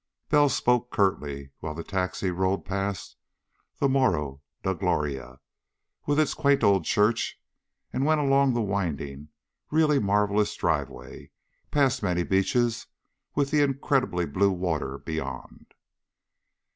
Bell spoke curtly, while the taxi rolled past the Morro da Gloria with its quaint old church and went along the winding, really marvelous driveway past many beaches, with the incredibly blue water beyond.